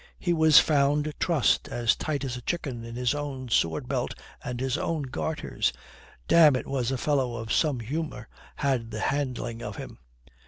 He was found trussed as tight as a chicken in his own sword belt and his own garters. Damme, it was a fellow of some humour had the handling of him.